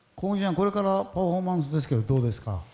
これからパフォーマンスですけどどうですか？